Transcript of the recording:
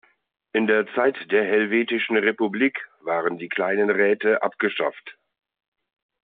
In der Zeit der Helvetischen Republik waren die Kleinen Räte abgeschafft.